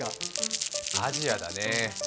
アジアだね。